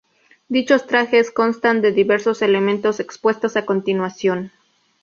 Dichos trajes constan de diversos elementos expuestos a continuación.